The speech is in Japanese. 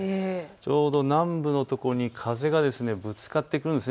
ちょうど南部のところに風がぶつかってくるんです。